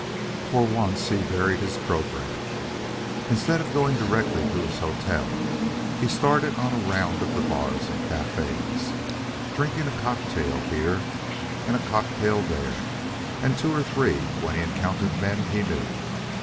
For once he varied his program. Instead of going directly to his hotel, he started on a round of the bars and cafes, drinking a cocktail here and a cocktail there, and two or three when he encountered men he knew.